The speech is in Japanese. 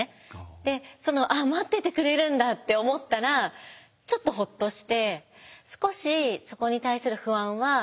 でその「あっ待っててくれるんだ」って思ったらちょっとほっとして少しそこに対する不安は和らいでいました。